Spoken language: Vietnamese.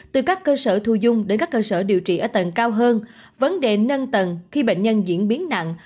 từ các cơ sở thu dung đến các cơ sở điều trị ở tầng cao hơn vấn đề nâng tầng khi bệnh nhân diễn biến nặng